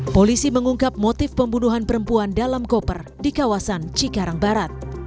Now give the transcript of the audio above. polisi mengungkap motif pembunuhan perempuan dalam koper di kawasan cikarang barat